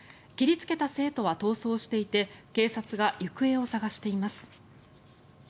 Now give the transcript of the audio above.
切りつけた生徒は逃走していて警察が行方を捜しています。